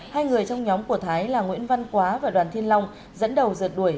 hai người trong nhóm của thái là nguyễn văn quá và đoàn thiên long dẫn đầu giật đuổi